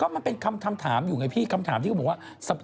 มันเป็นคำถามอยู่ไงพี่คำถามที่เขาบอกว่า